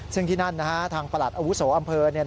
ซึ่งที่นั่นทางประหลัดอาวุโสอำเภอ